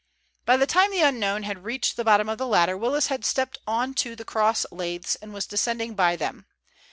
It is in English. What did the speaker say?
By the time the unknown had reached the bottom of the ladder, Willis had stepped on to the cross laths and was descending by them.